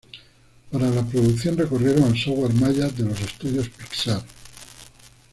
Para la producción recurrieron al software Maya de los estudios Pixar.